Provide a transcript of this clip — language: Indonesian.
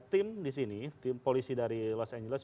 tim di sini tim polisi dari los angeles